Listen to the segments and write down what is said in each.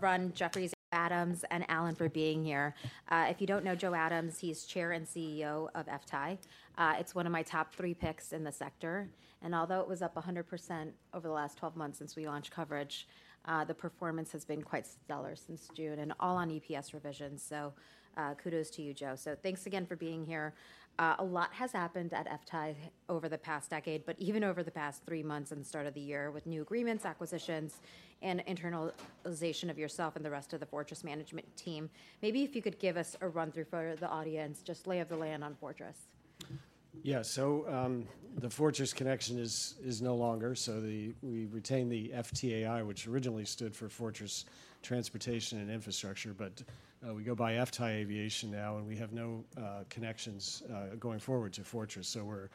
From Jefferies, Adams, and Alan for being here. If you don't know Joe Adams, he's Chair and CEO of FTAI. It's one of my top three picks in the sector, and although it was up 100% over the last 12 months since we launched coverage, the performance has been quite stellar since June and all on EPS revisions. So, kudos to you, Joe. So thanks again for being here. A lot has happened at FTAI over the past decade, but even over the past three months and the start of the year, with new agreements, acquisitions, and internalization of yourself and the rest of the Fortress management team. Maybe if you could give us a run-through for the audience, just lay of the land on Fortress. Yeah. So, the Fortress connection is no longer, so we retain the F-T-A-I, which originally stood for Fortress Transportation and Infrastructure, but we go by FTAI Aviation now, and we have no connections going forward to Fortress. So we're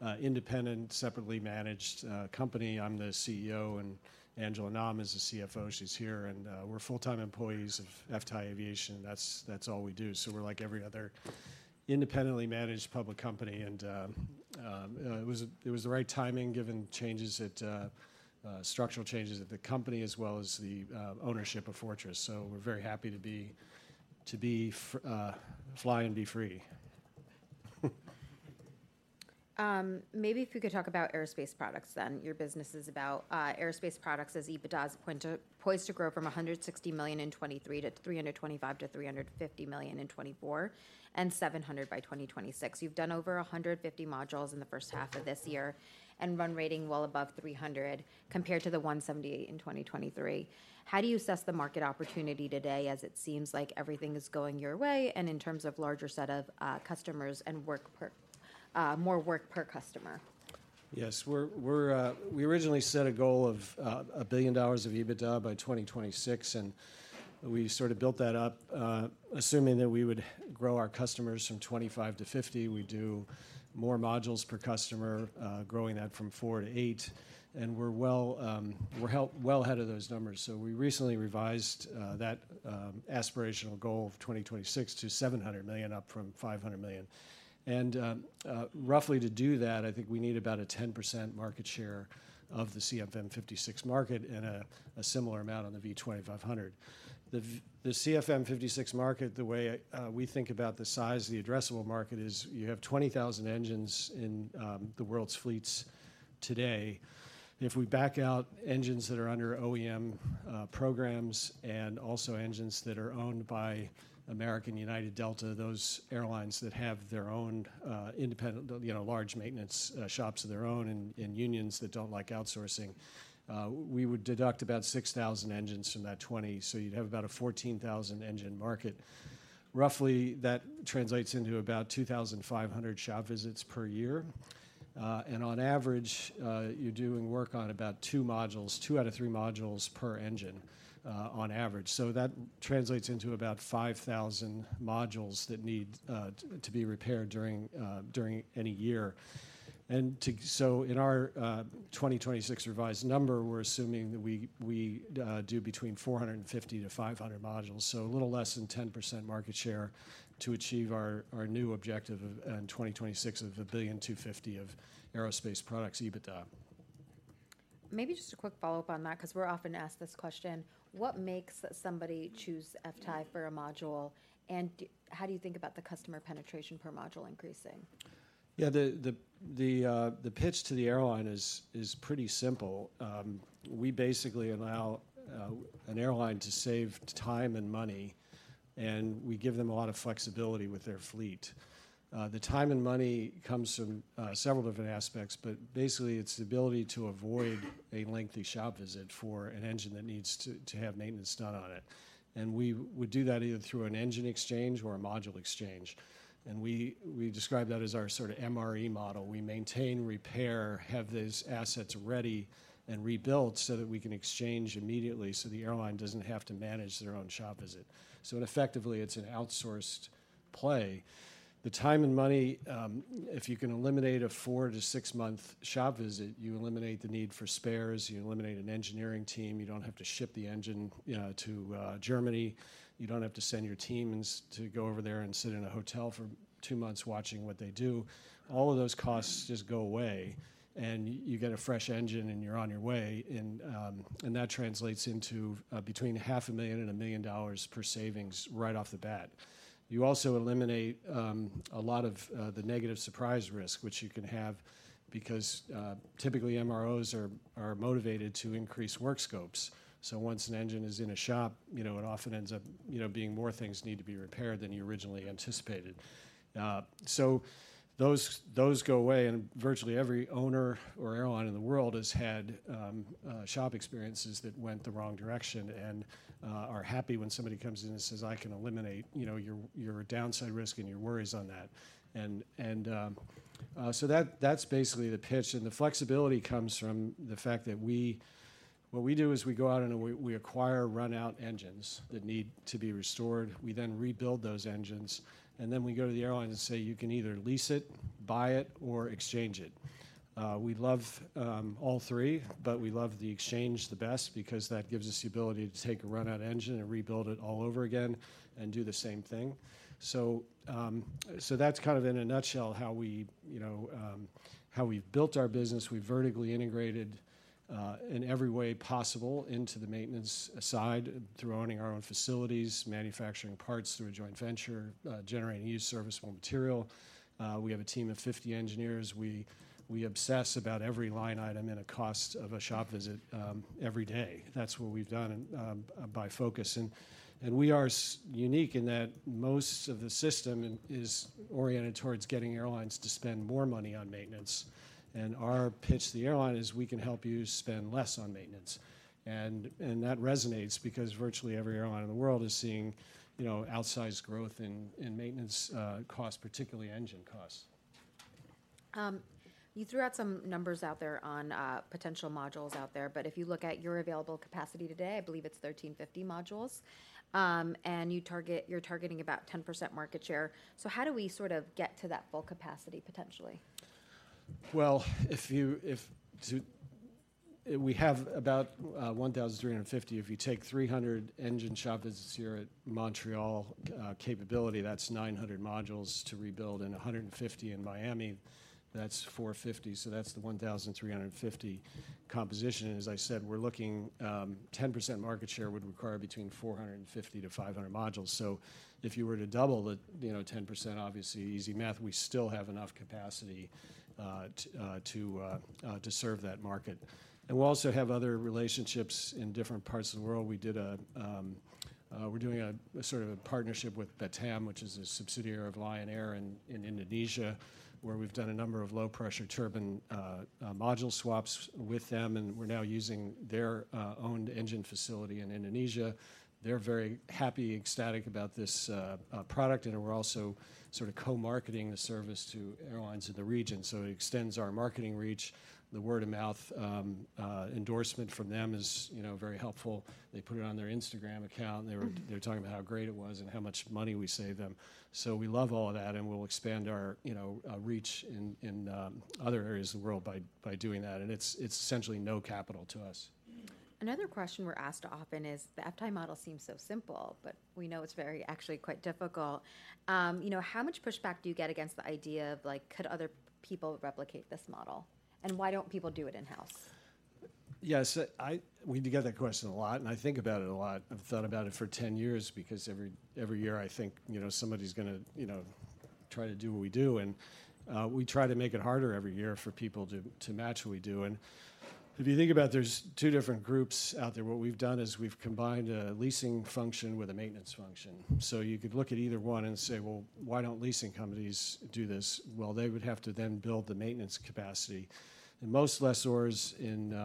a independent, separately managed company. I'm the CEO, and Angela Nam is the CFO. She's here, and we're full-time employees of FTAI Aviation. That's all we do. So we're like every other independently managed public company, and it was the right timing, given changes at structural changes at the company, as well as the ownership of Fortress. So we're very happy to fly and be free. Maybe if you could talk about aerospace products then. Your business is about aerospace products as EBITDA is poised to grow from $160 million in 2023 to $325 million-$350 million in 2024, and $700 million by 2026. You've done over 150 modules in the first half of this year and run rate well above 300, compared to the 178 in 2023. How do you assess the market opportunity today, as it seems like everything is going your way and in terms of larger set of customers and more work per customer? Yes. We're. We originally set a goal of a billion dollars of EBITDA by 2026, and we sort of built that up, assuming that we would grow our customers from 25 - 50. We'd do more modules per customer, growing that from 4 to 8, and we're well ahead of those numbers. So we recently revised that aspirational goal of 2026 to $700 million, up from $500 million. And roughly to do that, I think we need about a 10% market share of the CFM56 market and a similar amount on the V2500. The CFM56 market, the way we think about the size of the addressable market is, you have 20,000 engines in the world's fleets today. If we back out engines that are under OEM programs and also engines that are owned by American, United, Delta, those airlines that have their own independent, you know, large maintenance shops of their own and unions that don't like outsourcing, we would deduct about 6,000 engines from that 20. So you'd have about a 14,000 engine market. Roughly, that translates into about 2,500 shop visits per year. On average, you're doing work on about two modules, two out of three modules per engine, on average. So that translates into about 5,000 modules that need to be repaired during any year. In our 2026 revised number, we're assuming that we do between 450-500 modules, so a little less than 10% market share to achieve our new objective of $1.25 billion of aerospace products EBITDA in 2026. Maybe just a quick follow-up on that, because we're often asked this question: What makes somebody choose FTAI for a module, and how do you think about the customer penetration per module increasing? Yeah. The pitch to the airline is pretty simple. We basically allow an airline to save time and money, and we give them a lot of flexibility with their fleet. The time and money comes from several different aspects, but basically, it's the ability to avoid a lengthy shop visit for an engine that needs to have maintenance done on it. We would do that either through an engine exchange or a module exchange. We describe that as our sort of MRE model. We maintain, repair, have those assets ready and rebuilt so that we can exchange immediately, so the airline doesn't have to manage their own shop visit. Effectively, it's an outsourced play. The time and money, if you can eliminate a 4 - 6 month shop visit, you eliminate the need for spares, you eliminate an engineering team, you don't have to ship the engine to Germany, you don't have to send your teams to go over there and sit in a hotel for two months watching what they do. All of those costs just go away, and you get a fresh engine, and you're on your way, and that translates into between $500,000 and $1 million per savings right off the bat. You also eliminate a lot of the negative surprise risk, which you can have, because typically, MROs are motivated to increase work scopes. So once an engine is in a shop, you know, it often ends up, you know, being more things need to be repaired than you originally anticipated, so those go away, and virtually every owner or airline in the world has had shop experiences that went the wrong direction and are happy when somebody comes in and says, "I can eliminate, you know, your, your downside risk and your worries on that," and so that's basically the pitch, and the flexibility comes from the fact that what we do is we go out and we acquire run-out engines that need to be restored. We then rebuild those engines, and then we go to the airline and say, "You can either lease it, buy it, or exchange it." We love all three, but we love the exchange the best because that gives us the ability to take a run-out engine and rebuild it all over again and do the same thing. So that's kind of in a nutshell, how we, you know, how we've built our business. We've vertically integrated in every way possible into the maintenance side through owning our own facilities, manufacturing parts through a joint venture, generating used serviceable material. We have a team of 50 engineers. We obsess about every line item in a cost of a shop visit every day. That's what we've done by focus. We are unique in that most of the industry is oriented towards getting airlines to spend more money on maintenance. Our pitch to the airline is: We can help you spend less on maintenance. That resonates because virtually every airline in the world is seeing, you know, outsized growth in maintenance costs, particularly engine costs. You threw out some numbers out there on potential modules out there, but if you look at your available capacity today, I believe it's 1,350 modules. And you're targeting about 10% market share. So how do we sort of get to that full capacity, potentially? We have about 1,350. If you take 300 engine shop visits here at Montreal capability, that's 900 modules to rebuild, and 150 in Miami, that's 450. So that's the 1,350 composition. As I said, we're looking 10% market share would require between 450 - 500 modules. So if you were to double the, you know, 10%, obviously easy math, we still have enough capacity to serve that market. And we also have other relationships in different parts of the world. We did a, we're doing a sort of a partnership with Batam, which is a subsidiary of Lion Air in Indonesia, where we've done a number of low-pressure turbine module swaps with them, and we're now using their owned engine facility in Indonesia. They're very happy, ecstatic about this product, and we're also sort of co-marketing the service to airlines in the region. So it extends our marketing reach. The word-of-mouth endorsement from them is, you know, very helpful. They put it on their Instagram account, and they were talking about how great it was and how much money we saved them. So we love all of that, and we'll expand our, you know, reach in other areas of the world by doing that, and it's essentially no capital to us. Another question we're asked often is, the uptime model seems so simple, but we know it's very actually quite difficult. You know, how much pushback do you get against the idea of, like, could other people replicate this model? And why don't people do it in-house? Yes, we do get that question a lot, and I think about it a lot. I've thought about it for 10 years because every year I think, you know, somebody's gonna, you know, try to do what we do, and we try to make it harder every year for people to match what we do. And if you think about it, there's two different groups out there. What we've done is we've combined a leasing function with a maintenance function. So you could look at either one and say: Well, why don't leasing companies do this? Well, they would have to then build the maintenance capacity. And most lessors in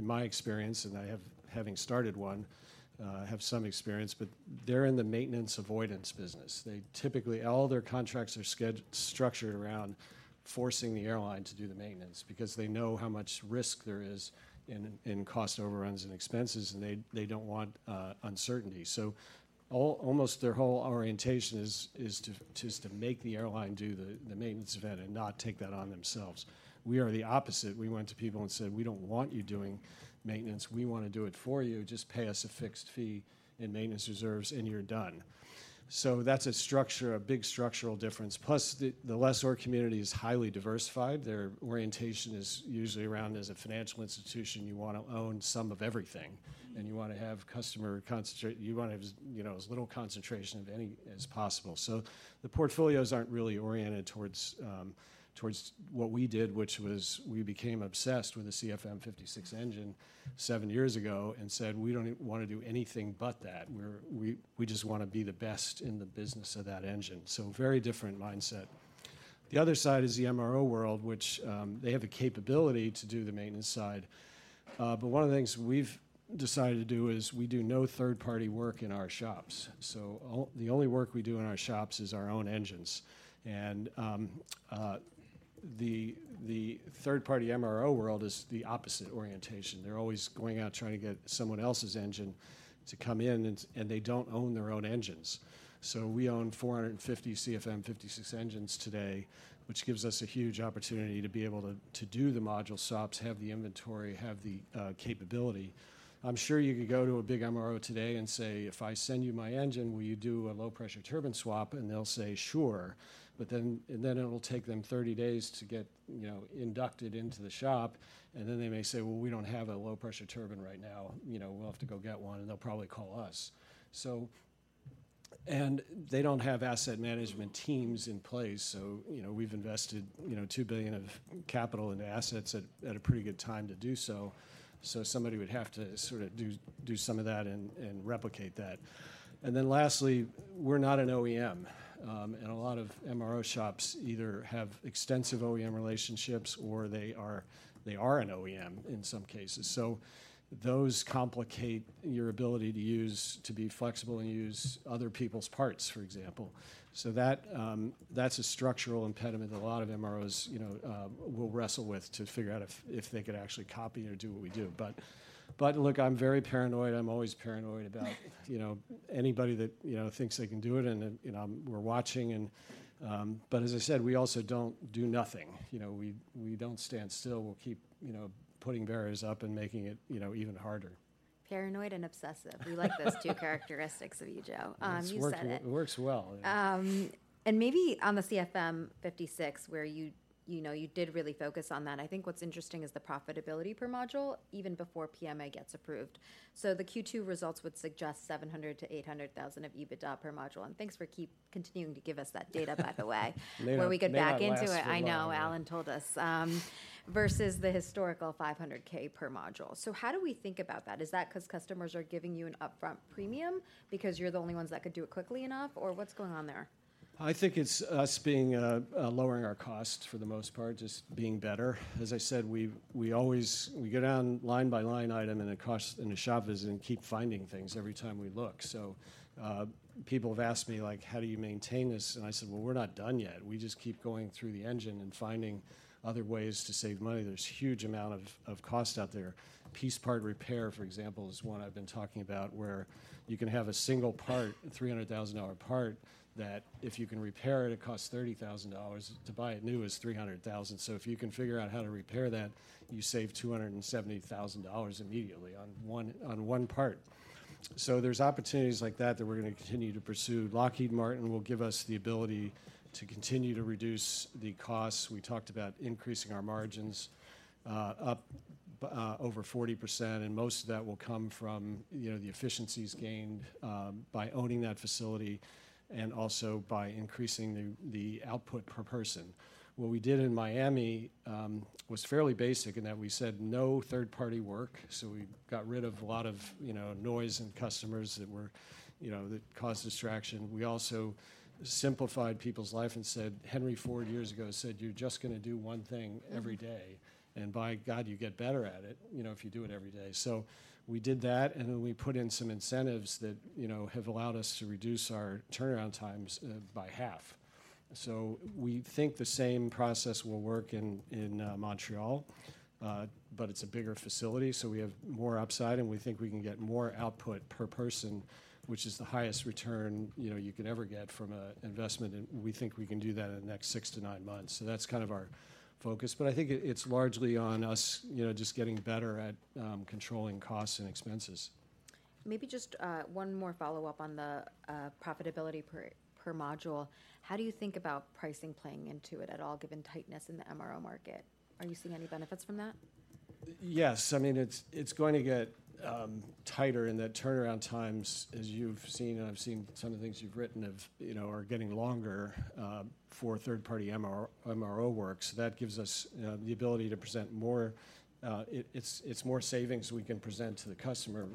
my experience, and I have, having started one, have some experience, but they're in the maintenance avoidance business. They typically, all their contracts are structured around forcing the airline to do the maintenance because they know how much risk there is in cost overruns and expenses, and they don't want uncertainty. So almost their whole orientation is to just make the airline do the maintenance event and not take that on themselves. We are the opposite. We went to people and said: We don't want you doing maintenance. We wanna do it for you. Just pay us a fixed fee in maintenance reserves, and you're done. So that's a structure, a big structural difference. Plus, the lessor community is highly diversified. Their orientation is usually around, as a financial institution, you wanna own some of everything, and you wanna have as, you know, as little concentration of any as possible. So the portfolios aren't really oriented towards what we did, which was we became obsessed with the CFM56 engine seven years ago and said: We don't wanna do anything but that. We're. We just wanna be the best in the business of that engine. So very different mindset. The other side is the MRO world, which they have the capability to do the maintenance side. But one of the things we've decided to do is we do no third-party work in our shops. So the only work we do in our shops is our own engines, and the third-party MRO world is the opposite orientation. They're always going out trying to get someone else's engine to come in, and they don't own their own engines. So we own 450 CFM56 engines today, which gives us a huge opportunity to be able to, to do the module swaps, have the inventory, have the capability. I'm sure you could go to a big MRO today and say, "If I send you my engine, will you do a low-pressure turbine swap?" And they'll say, "Sure." But then, and then it will take them 30 days to get, you know, inducted into the shop, and then they may say, "Well, we don't have a low-pressure turbine right now. You know, we'll have to go get one," and they'll probably call us. So. And they don't have asset management teams in place. So, you know, we've invested, you know, $2 billion of capital into assets at, at a pretty good time to do so. So somebody would have to sort of do some of that and replicate that. And then lastly, we're not an OEM, and a lot of MRO shops either have extensive OEM relationships, or they are an OEM in some cases. So those complicate your ability to use to be flexible and use other people's parts, for example. So that, that's a structural impediment that a lot of MROs, you know, will wrestle with to figure out if they could actually copy or do what we do. But look, I'm very paranoid. I'm always paranoid about you know, anybody that, you know, thinks they can do it, and we're watching and. But as I said, we also don't do nothing. You know, we don't stand still. We'll keep, you know, putting barriers up and making it, you know, even harder. Paranoid and obsessive. We like those two characteristics of you, Joe. You said it. It's worked. It works well, yeah. And maybe on the CFM56, where you, you know, you did really focus on that, I think what's interesting is the profitability per module, even before PMA gets approved. So the Q2 results would suggest $700,000-$800,000 of EBITDA per module, and thanks for continuing to give us that data, by the way- May not last that long. Before we get back into it. I know, Alan told us. Versus the historical $500K per module. So how do we think about that? Is that 'cause customers are giving you an upfront premium because you're the only ones that could do it quickly enough, or what's going on there? I think it's us being lowering our costs, for the most part, just being better. As I said, we always go down line by line item in a cost, in a shop visit, and keep finding things every time we look. So people have asked me, like, "How do you maintain this?" And I said, "Well, we're not done yet." We just keep going through the engine and finding other ways to save money. There's huge amount of cost out there. Piece part repair, for example, is one I've been talking about, where you can have a single part, a $300,000 part, that if you can repair it, it costs $30,000. To buy it new is $300,000. So if you can figure out how to repair that, you save $270,000 immediately on one part. So there's opportunities like that that we're gonna continue to pursue. Lockheed Martin will give us the ability to continue to reduce the costs. We talked about increasing our margins up over 40%, and most of that will come from, you know, the efficiencies gained by owning that facility and also by increasing the output per person. What we did in Miami was fairly basic in that we said no third-party work, so we got rid of a lot of, you know, noise and customers that were, you know, that caused distraction. We also simplified people's life and said, Henry Ford years ago said: "You're just gonna do one thing every day, and by God, you get better at it, you know, if you do it every day." So we did that, and then we put in some incentives that, you know, have allowed us to reduce our turnaround times by half. So we think the same process will work in Montreal, but it's a bigger facility, so we have more upside, and we think we can get more output per person, which is the highest return, you know, you could ever get from a investment, and we think we can do that in the next 6-9 months. So that's kind of our focus. But I think it, it's largely on us, you know, just getting better at controlling costs and expenses. Maybe just one more follow-up on the profitability per module. How do you think about pricing playing into it at all, given tightness in the MRO market? Are you seeing any benefits from that? Yes. I mean, it's going to get tighter in that turnaround times, as you've seen and I've seen some of the things you've written of, you know, are getting longer for third-party MRO work. So that gives us the ability to present more. It's more savings we can present to the customer.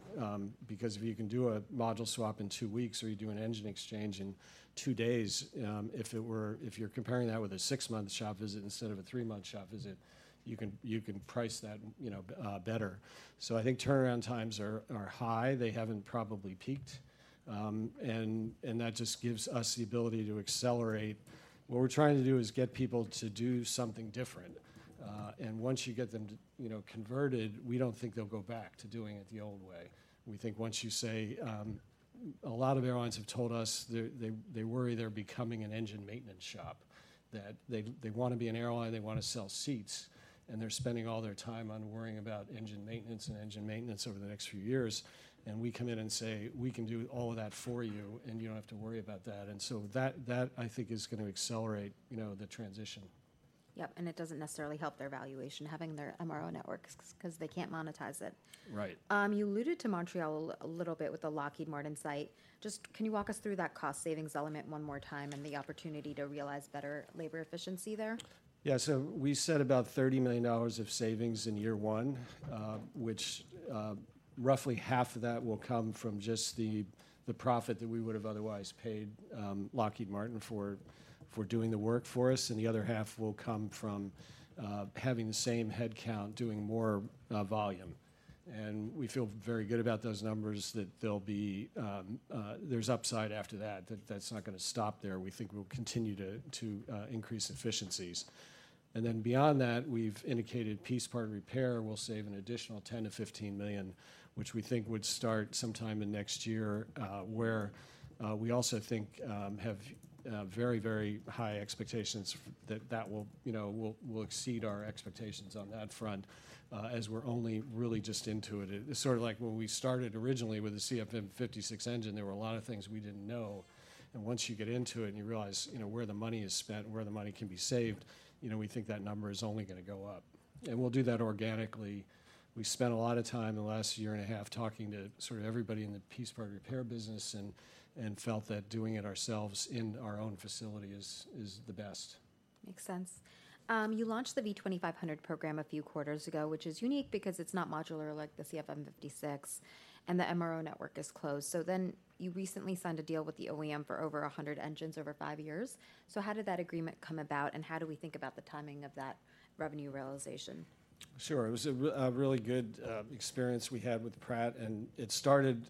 Because if you can do a module swap in two weeks, or you do an engine exchange in two days, if you're comparing that with a six-month shop visit instead of a three-month shop visit, you can price that, you know, better. So I think turnaround times are high. They haven't probably peaked, and that just gives us the ability to accelerate. What we're trying to do is get people to do something different, and once you get them to, you know, converted, we don't think they'll go back to doing it the old way. We think once you say, a lot of airlines have told us they worry they're becoming an engine maintenance shop, that they wanna be an airline, they wanna sell seats, and they're spending all their time worrying about engine maintenance over the next few years. And we come in and say, "We can do all of that for you, and you don't have to worry about that." And so that I think is gonna accelerate, you know, the transition. Yep, and it doesn't necessarily help their valuation, having their MRO networks, 'cause they can't monetize it. Right. You alluded to Montreal a little bit with the Lockheed Martin site. Just, can you walk us through that cost savings element one more time and the opportunity to realize better labor efficiency there? Yeah, so we said about $30 million of savings in year one, which, roughly $15 million of that will come from just the profit that we would have otherwise paid Lockheed Martin for doing the work for us, and the other half will come from having the same headcount doing more volume. And we feel very good about those numbers, that they'll be. There's upside after that, that's not gonna stop there. We think we'll continue to increase efficiencies. And then beyond that, we've indicated piece part repair will save an additional $10 million-$15 million, which we think would start sometime in next year, where we also think have very, very high expectations that that will, you know, will exceed our expectations on that front, as we're only really just into it. It's sort of like when we started originally with the CFM56 engine, there were a lot of things we didn't know. And once you get into it, and you realize, you know, where the money is spent and where the money can be saved, you know, we think that number is only gonna go up. And we'll do that organically. We spent a lot of time in the last year and a half talking to sort of everybody in the piece part repair business and felt that doing it ourselves in our own facility is the best. Makes sense. You launched the V2500 program a few quarters ago, which is unique because it's not modular like the CFM56, and the MRO network is closed. So then you recently signed a deal with the OEM for over a 100 engines over five years. So how did that agreement come about, and how do we think about the timing of that revenue realization? Sure. It was a really good experience we had with Pratt, and it started.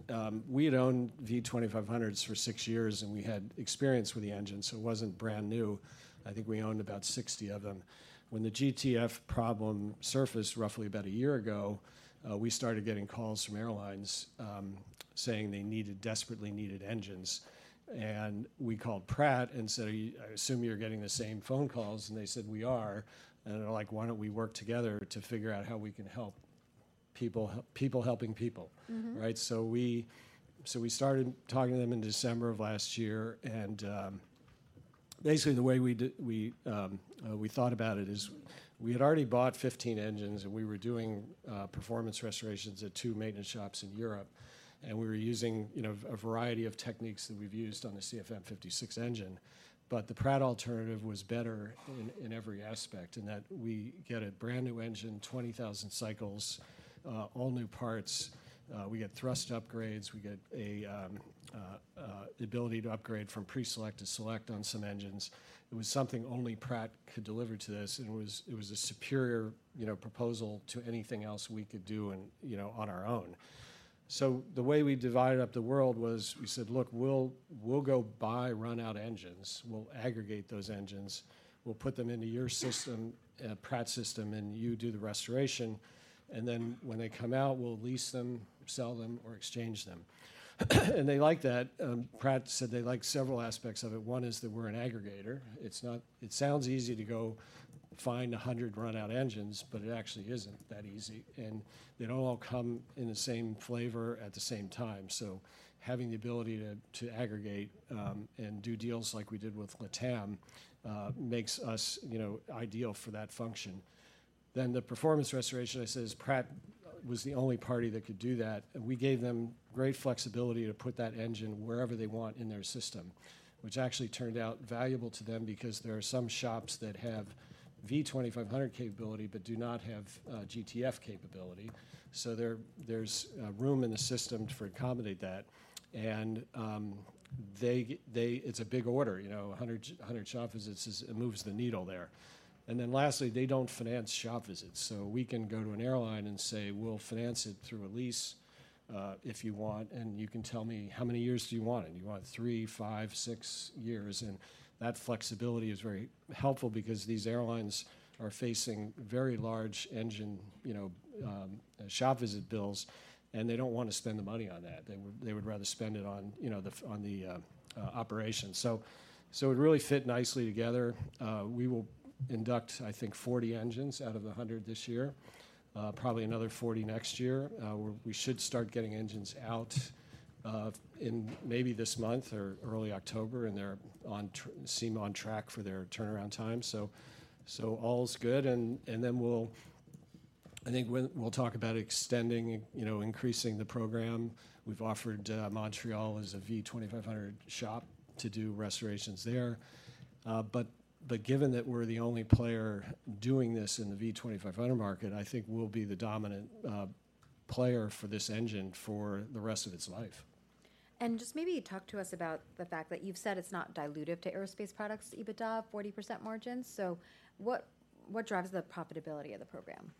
We had owned V2500s for six years, and we had experience with the engine, so it wasn't brand new. I think we owned about sixty of them. When the GTF problem surfaced roughly about a year ago, we started getting calls from airlines, saying they needed, desperately needed engines. And we called Pratt and said, "I assume you're getting the same phone calls," and they said, "We are." And they're like: "Why don't we work together to figure out how we can help?" People help, people helping people. Mm-hmm. Right? So we started talking to them in December of last year, and basically, the way we thought about it is we had already bought 15 engines, and we were doing performance restorations at two maintenance shops in Europe, and we were using, you know, a variety of techniques that we've used on the CFM56 engine. But the Pratt alternative was better in every aspect, in that we get a brand-new engine, 20,000 cycles, all new parts, we get thrust upgrades, we get the ability to upgrade from Pre-Select to Select on some engines. It was something only Pratt could deliver to this, and it was a superior, you know, proposal to anything else we could do on, you know, on our own. So the way we divided up the world was, we said: Look, we'll go buy run-out engines. We'll aggregate those engines. We'll put them into your system, Pratt system, and you do the restoration, and then when they come out, we'll lease them, sell them, or exchange them. And they liked that. Pratt said they liked several aspects of it. One is that we're an aggregator. It's not. It sounds easy to go find a 100 run-out engines, but it actually isn't that easy, and they don't all come in the same flavor at the same time. So having the ability to aggregate, and do deals like we did with LATAM, makes us, you know, ideal for that function. Then the performance restoration, I says, Pratt, was the only party that could do that. And we gave them great flexibility to put that engine wherever they want in their system, which actually turned out valuable to them because there are some shops that have V2500 capability but do not have GTF capability. So there's room in the system to accommodate that, and it's a big order, you know, 100 shop visits, it moves the needle there. And then lastly, they don't finance shop visits, so we can go to an airline and say: We'll finance it through a lease, if you want, and you can tell me how many years do you want it? Do you want three, five, six years? And that flexibility is very helpful because these airlines are facing very large engine, you know, shop visit bills, and they don't want to spend the money on that. They would rather spend it on, you know, operations. So it really fit nicely together. We will induct, I think, 40 engines out of the hundred this year, probably another 40 next year. We should start getting engines out in maybe this month or early October, and they seem on track for their turnaround time. So all's good, and then we'll talk about extending, you know, increasing the program. We've offered Montreal as a V2500 shop to do restorations there. But given that we're the only player doing this in the V2500 market, I think we'll be the dominant player for this engine for the rest of its life. Just maybe talk to us about the fact that you've said it's not dilutive to aerospace products, EBITDA, 40% margin. What, what drives the profitability of the program?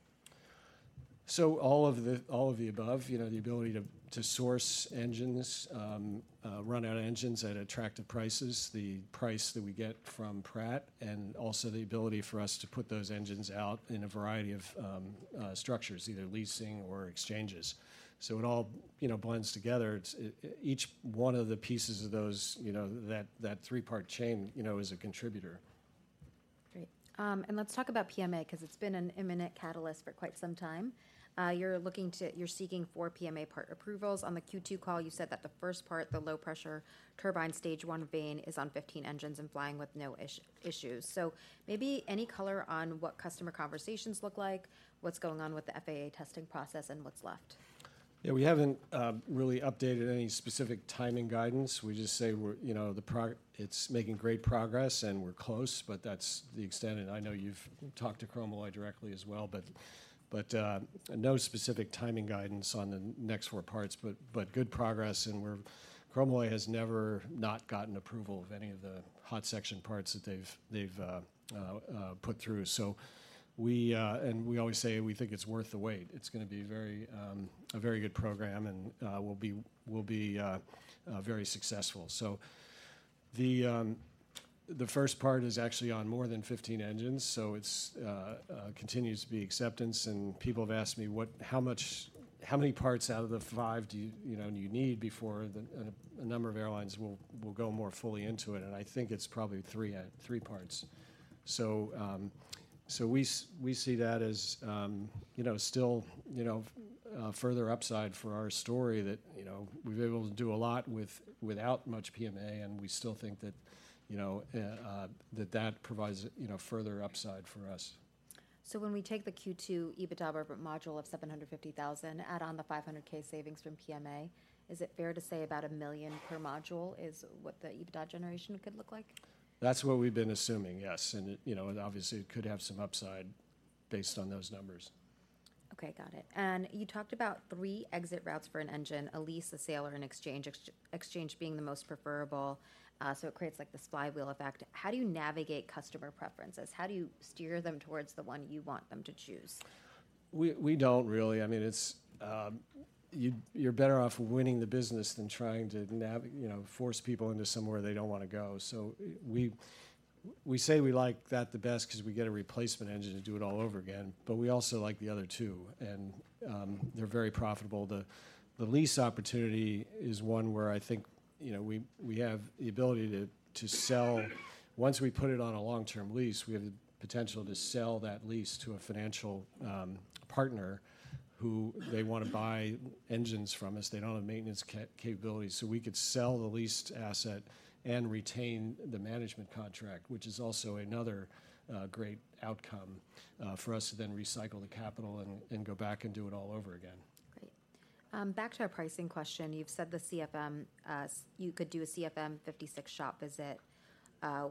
So all of the above. You know, the ability to source engines, run-out engines at attractive prices, the price that we get from Pratt, and also the ability for us to put those engines out in a variety of structures, either leasing or exchanges. So it all, you know, blends together. It's each one of the pieces of those, you know, that three-part chain, you know, is a contributor. Great, and let's talk about PMA, 'cause it's been an imminent catalyst for quite some time. You're seeking four PMA part approvals. On the Q2 call, you said that the first part, the low-pressure turbine stage one vane, is on 15 engines and flying with no issues. So maybe any color on what customer conversations look like, what's going on with the FAA testing process, and what's left? Yeah, we haven't really updated any specific timing guidance. We just say we're, you know, it's making great progress, and we're close, but that's the extent. And I know you've talked to Chromalloy directly as well, but no specific timing guidance on the next four parts, but good progress, and we're. Chromalloy has never not gotten approval of any of the hot section parts that they've put through. So we And we always say we think it's worth the wait. It's gonna be very a very good program, and will be very successful. So the first part is actually on more than 15 engines, so it continues to be acceptance, and people have asked me what, how much, how many parts out of the 5 do you, you know, do you need before a number of airlines will go more fully into it? And I think it's probably 3 out, 3 parts. So we see that as, you know, still, you know, further upside for our story that, you know, we've been able to do a lot with, without much PMA, and we still think that, you know, that that provides, you know, further upside for us. So when we take the Q2 EBITDA module of $750,000, add on the $500K savings from PMA, is it fair to say about $1 million per module is what the EBITDA generation could look like? That's what we've been assuming, yes, and it, you know, and obviously, it could have some upside based on those numbers. Okay, got it. And you talked about three exit routes for an engine: a lease, a sale, or an exchange, exchange being the most preferable, so it creates like the flywheel effect. How do you navigate customer preferences? How do you steer them towards the one you want them to choose? We don't really. I mean, you're better off winning the business than trying to navi-- you know, force people into somewhere they don't wanna go. So we say we like that the best 'cause we get a replacement engine to do it all over again, but we also like the other two, and they're very profitable. The lease opportunity is one where I think, you know, we have the ability to sell. Once we put it on a long-term lease, we have the potential to sell that lease to a financial partner, who they wanna buy engines from us. They don't have maintenance capability, so we could sell the leased asset and retain the management contract, which is also another great outcome for us to then recycle the capital and go back and do it all over again. Great. Back to our pricing question. You've said the CFM you could do a CFM56 shop visit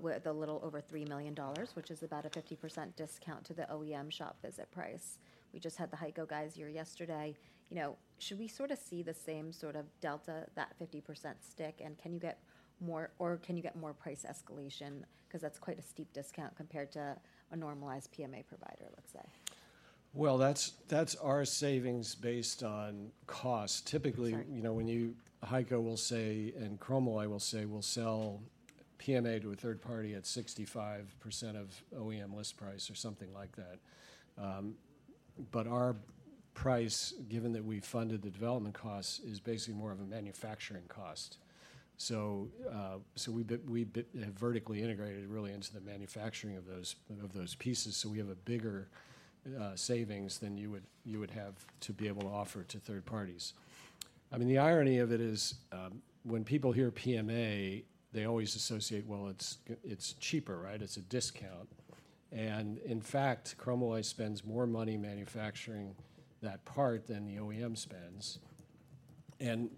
with a little over $3 million, which is about a 50% discount to the OEM shop visit price. We just had the HEICO guys here yesterday. You know, should we sort of see the same sort of delta, that 50% stick? And can you get more or can you get more price escalation? 'Cause that's quite a steep discount compared to a normalized PMA provider, let's say. That's, that's our savings based on cost. Sorry. Typically, you know, when you. HEICO will say, and Chromalloy will say, "We'll sell PMA to a third party at 65% of OEM list price," or something like that. But our price, given that we funded the development costs, is basically more of a manufacturing cost. So, so we have vertically integrated really into the manufacturing of those pieces, so we have a bigger savings than you would have to be able to offer to third parties. I mean, the irony of it is, when people hear PMA, they always associate, well, it's cheaper, right? It's a discount. And in fact, Chromalloy spends more money manufacturing that part than the OEM spends. And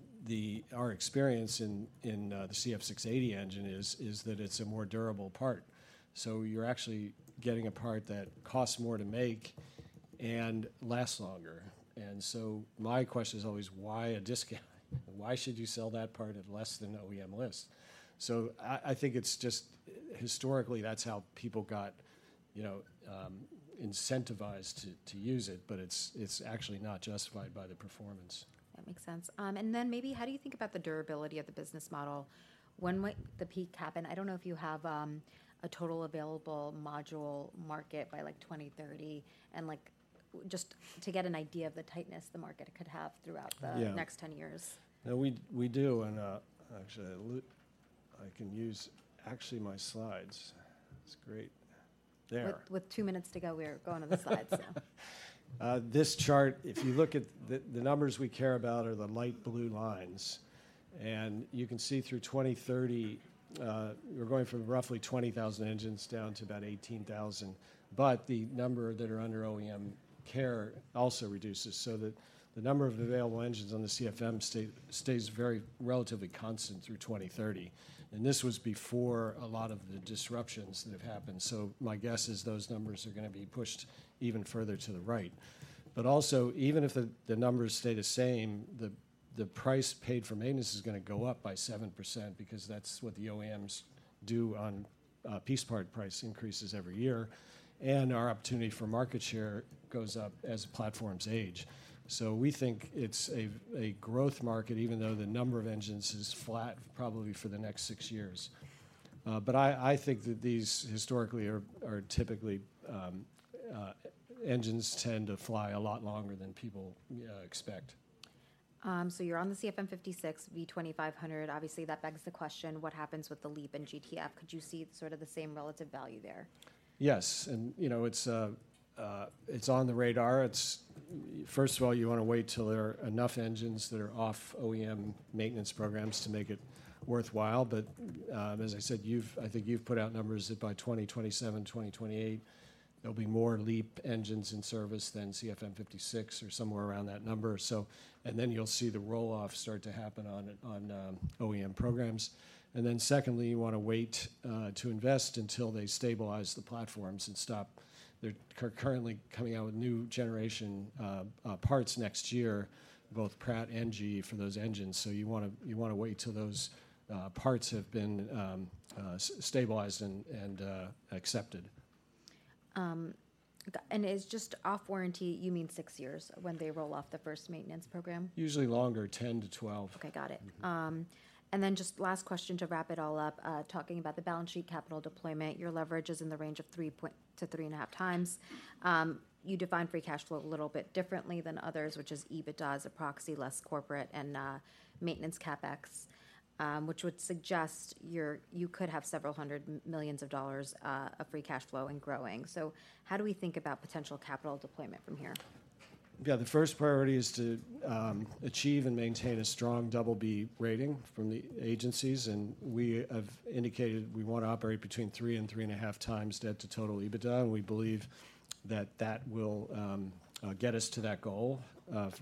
our experience in the CF6-80 engine is that it's a more durable part. So you're actually getting a part that costs more to make and lasts longer, and so my question is always: Why a discount? Why should you sell that part at less than OEM list? So I think it's just, historically, that's how people got, you know, incentivized to use it, but it's actually not justified by the performance. That makes sense. And then maybe how do you think about the durability of the business model? When might the peak happen? I don't know if you have a total available module market by, like, 2030, and, like, just to get an idea of the tightness the market could have throughout the. Yeah Next ten years. Yeah, we do, and actually, I can use actually my slides. It's great. There. With two minutes to go, we're going on the slides now. This chart, if you look at the numbers we care about are the light blue lines, and you can see through 2030, we're going from roughly 20,000 engines down to about 18,000, but the number that are under OEM care also reduces, so the number of available engines on the CFM stays very relatively constant through 2030. This was before a lot of the disruptions that have happened, so my guess is those numbers are gonna be pushed even further to the right. But also, even if the numbers stay the same, the price paid for maintenance is gonna go up by 7% because that's what the OEMs do on piece part price increases every year, and our opportunity for market share goes up as the platforms age. So we think it's a growth market, even though the number of engines is flat probably for the next six years. But I think that these historically are typically engines tend to fly a lot longer than people expect. So you're on the CFM56 V2500. Obviously, that begs the question: What happens with the LEAP and GTF? Could you see sort of the same relative value there? Yes, and, you know, it's on the radar. First of all, you wanna wait till there are enough engines that are off OEM maintenance programs to make it worthwhile. But, as I said, I think you've put out numbers that by 2027, 2028, there'll be more LEAP engines in service than CFM56 or somewhere around that number. So, and then you'll see the roll-off start to happen on OEM programs. And then secondly, you wanna wait to invest until they stabilize the platforms and stop. They're currently coming out with new generation parts next year, both Pratt and GE, for those engines. So you wanna, you wanna wait till those parts have been stabilized and accepted. And as just off warranty, you mean six years, when they roll off the first maintenance program? Usually longer, 10-12. Okay, got it. Mm-hmm. Then, just the last question to wrap it all up. Talking about the balance sheet capital deployment, your leverage is in the range of 3-3.5 times. You define free cash flow a little bit differently than others, which is EBITDA as a proxy, less corporate and maintenance CapEx, which would suggest you could have several hundred million dollars of free cash flow and growing. How do we think about potential capital deployment from here? Yeah, the first priority is to achieve and maintain a strong double B rating from the agencies, and we have indicated we want to operate between three and three and a half times debt to total EBITDA. And we believe that that will get us to that goal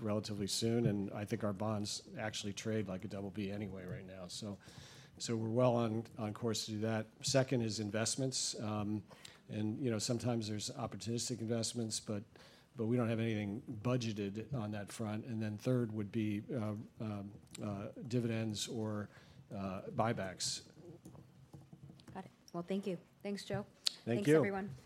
relatively soon, and I think our bonds actually trade like a double B anyway right now. So we're well on course to do that. Second is investments, and, you know, sometimes there's opportunistic investments, but we don't have anything budgeted on that front. And then third would be dividends or buybacks. Got it. Well, thank you. Thanks, Joe. Thank you. Thanks, everyone.